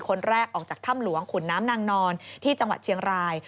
คนแรกออกจากถ้ำหลวงขุนน้ำนางนอนที่จังหวัดเชียงราย